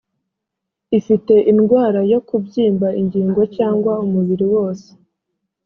ifite indwara yo kubyimba ingingo cyangwa umubiri wose